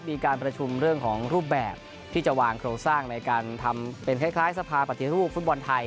มีการประชุมเรื่องของรูปแบบที่จะวางโครงสร้างในการทำเป็นคล้ายสภาปฏิรูปฟุตบอลไทย